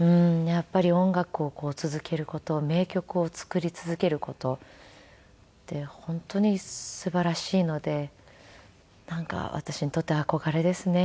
やっぱり音楽を続ける事名曲を作り続ける事って本当にすばらしいので私にとって憧れですね。